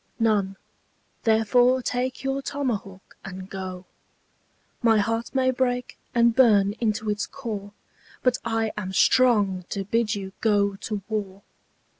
None therefore take your tomahawk and go. My heart may break and burn into its core, But I am strong to bid you go to war.